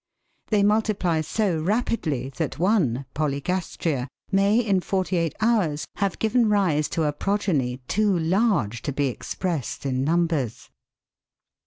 They multiply so rapidly that one (Polygastria) may in forty eight hours have given rise to a progeny too large .to be expressed in numbers.